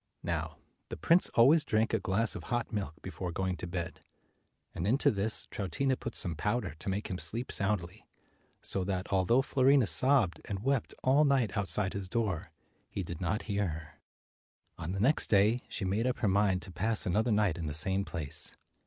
Now the prince always drank a glass of hot milk before going to bed, and into this Troutina put some powder to make him sleep soundly. So that, although Fiorina sobbed and wept all night outside his door, he did not hear her. 226 On the next day, she made up her mind to pass another night in the same place.